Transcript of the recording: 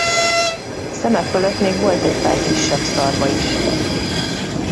Szeme fölött még volt egy pár kisebb szarva is.